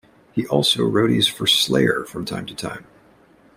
He also roadies for Slayer from time to time.